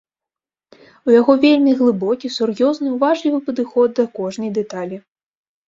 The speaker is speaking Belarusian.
У яго вельмі глыбокі, сур'ёзны, уважлівы падыход да кожнай дэталі.